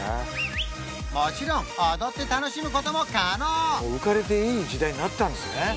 もちろん踊って楽しむことも可能もう浮かれていい時代になったんですね